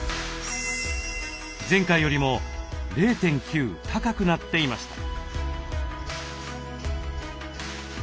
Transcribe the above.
前回よりも０．９高くなっていました。